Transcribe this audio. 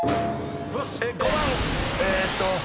５番えーっと。